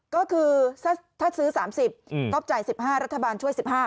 ก็คือถ้าซื้อ๓๐บาทก็จ่าย๑๕บาทรัฐบาลช่วย๑๕บาท